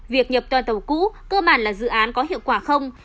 việc nhập toa tàu cũ cơ bản là dự án có hiệu quả không